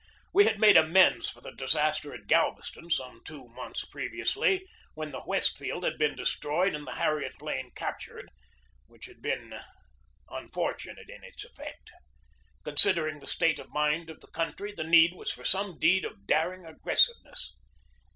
We had made amends for the disaster at Galveston some two months pre viously, when the Westfield had been destroyed and the Harriet Lane captured, which had been unfort unate in its effect. Considering the state of mind of the country, the need was for some deed of daring aggressiveness.